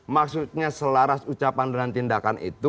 maksudnya selaras ucapan dengan tindakan itu